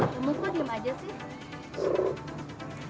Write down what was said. kamu kok diam saja sih